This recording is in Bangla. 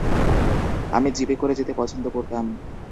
আমি জীপে করে যেতে পছন্দ করতাম।